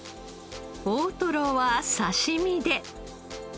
大トロは刺身で。